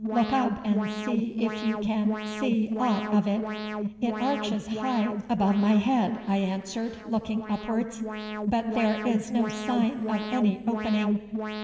Look up and see if you can see aught of it.' 'It arches high above my head,' I answered, looking upwards; 'but there is no sign of any opening.